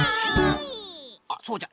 あっそうじゃ。